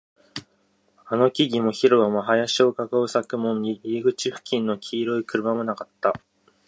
あの木々も、広場も、林を囲う柵も、入り口付近の黄色い車もなかった